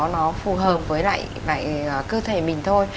nó phù hợp với lại cơ thể mình thôi